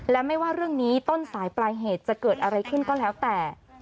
และไม่ว่าเรื่องนี้ต้นสายปลายเหตุจะเกิดอะไรขึ้นก็แล้วแต่